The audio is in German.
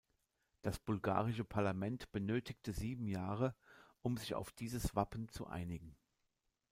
Das bulgarische Parlament benötigte sieben Jahre, um sich auf dieses Wappen zu einigen.